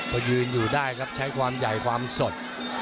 พอยืนอยู่ได้ครับใช้ความใหญ่ความสด